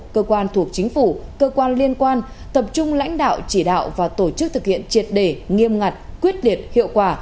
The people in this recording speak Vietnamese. cơ quan thuộc chính phủ cơ quan liên quan tập trung lãnh đạo chỉ đạo và tổ chức thực hiện triệt đề nghiêm ngặt quyết liệt hiệu quả